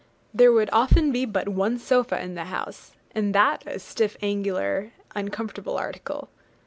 There would often be but one sofa in the house, and that a stiff, angular, uncomfortable article.